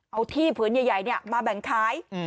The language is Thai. เอาที่พื้นใหญ่มาแบ่งขาย